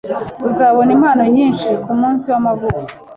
Uzabona impano nyinshi kumunsi wamavuko.